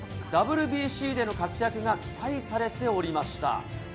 ＷＢＣでの活躍が期待されておりました。